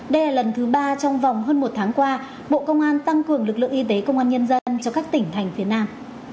đây là lần thứ ba trong vòng hơn một tháng qua bộ công an tăng cường lực lượng y tế công an nhân dân cho các tỉnh thành phía nam